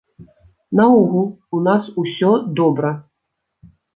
Наогул, у нас усё добра.